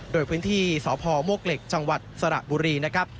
โดยพื้นที่สพมวกเหล็กจังหวัดสระบุรีนะครับ